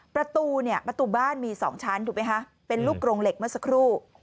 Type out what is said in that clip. ประตูเนี่ยประตูบ้านมี๒ชั้นถูกไหมคะเป็นลูกโรงเหล็กเมื่อสักครู่